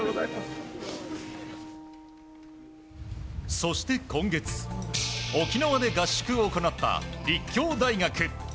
そして今月沖縄で合宿を行った立教大学。